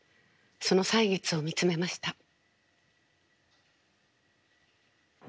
その歳月を見つめました。